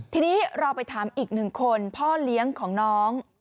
ทีนี้เราไปถามอีกหนึ่งคนพ่อเลี้ยงของน้อง